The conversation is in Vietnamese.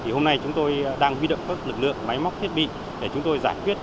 hôm nay chúng tôi đang huy động các lực lượng máy móc thiết bị để chúng tôi giải quyết